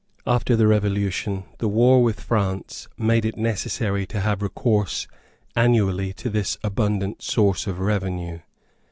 After the Revolution, the war with France made it necessary to have recourse annually to this abundant source of revenue.